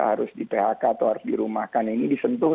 harus di phk atau harus dirumahkan ini disentuh